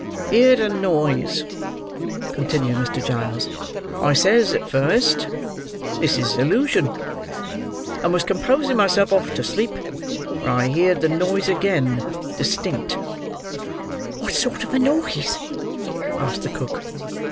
"—Heerd a noise," continued Mr. Giles. "I says, at first, 'This is illusion'; and was composing myself off to sleep, when I heerd the noise again, distinct." "What sort of a noise?" asked the cook.